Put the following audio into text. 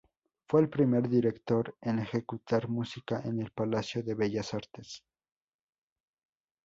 Fue el primer director en ejecutar música en el Palacio de Bellas Artes.